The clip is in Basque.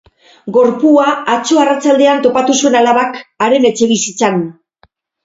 Gorpua atzo arratsaldean topatu zuen alabak haren etxebizitzan.